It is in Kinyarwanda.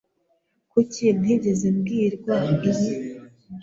Kuki ntigeze mbwirwa ibi?